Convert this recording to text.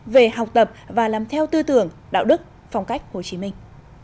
về học tập và làm theo tư tưởng đạo đức phong cách hồ chí minh